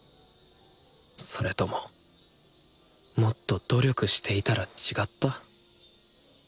それとももっと努力していたら違った？